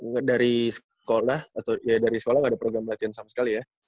nggak dari sekolah atau ya dari sekolah nggak ada program latihan sama sekali ya